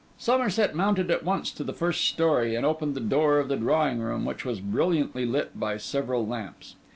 Somerset mounted at once to the first story, and opened the door of the drawing room, which was brilliantly lit by several lamps.